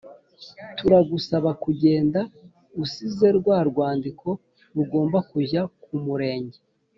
Turagusaba kugenda usize rwa rwandiko rugomba kujya ku murenge